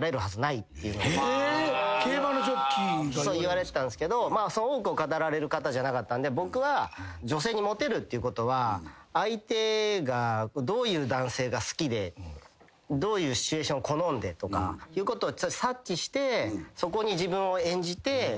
言われてたんすけど多くを語られる方じゃなかったんで僕は女性にモテるっていうことは相手がどういう男性が好きでどういうシチュエーションを好んでとかいうことを察知してそこに自分を演じて。